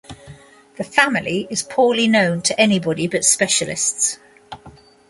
The family is poorly known to anybody but specialists.